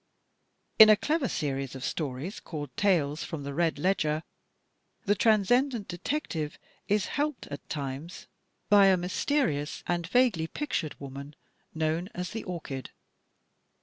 In a clever series of stories called " Tales from the Red Ledger," the Transcendent Detective is helped at times by a mysterious and vaguely pictured woman known as "The Orchid."